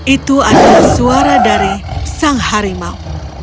itu adalah suara dari sang harimau